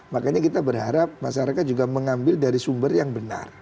makanya kita berharap masyarakat juga mengambil dari sumber yang benar